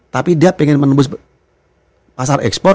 tapi dia ingin menembus pasar ekspor